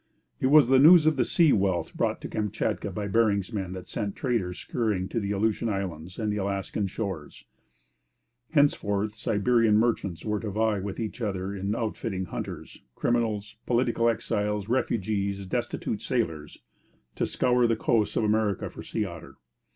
It was the news of the sea wealth brought to Kamchatka by Bering's men that sent traders scurrying to the Aleutian Islands and Alaskan shores. Henceforth Siberian merchants were to vie with each other in outfitting hunters criminals, political exiles, refugees, destitute sailors to scour the coasts of America for sea otter.